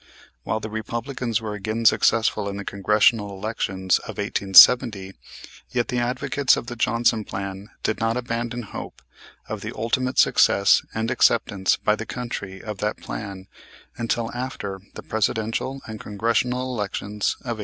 While the Republicans were again successful in the Congressional elections of 1870 yet the advocates of the Johnson plan did not abandon hope of the ultimate success and acceptance by the country of that plan until after the Presidential and Congressional elections of 1872.